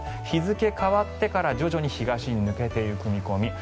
日付変わってから徐々に東に抜けていく見込み。